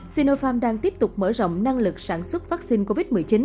sinopharm đang tiếp tục mở rộng năng lực sản xuất vắc xin covid một mươi chín